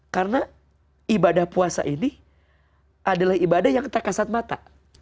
karena ibadah puasa ini adalah ibadah yang tak kasat mata